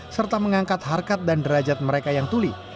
serta mengangkat harkat dan derajat mereka yang tuli